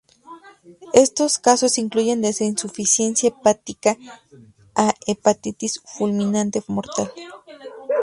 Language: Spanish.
Estos casos incluyen desde insuficiencia hepática a hepatitis fulminante mortal.